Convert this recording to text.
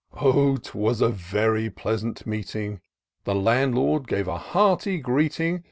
O ! 'twas a very pleasant meeting : The Landlord gave a hearty greeting.